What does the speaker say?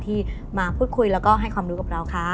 ที่มาพูดคุยแล้วก็ให้ความรู้กับเราค่ะ